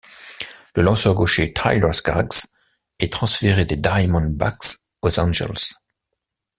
Le lanceur gaucher Tyler Skaggs est transféré des Diamondbacks aux Angels.